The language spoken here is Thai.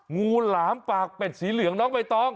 งูหลามปากเป็ดสีเหลืองน้องใบตอง